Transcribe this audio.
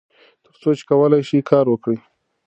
تر څو چې کولای شئ کار وکړئ.